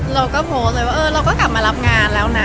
เราก็โพสต์เลยว่าเออเราก็กลับมารับงานแล้วนะ